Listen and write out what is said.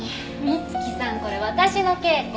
美月さんこれ私の稽古。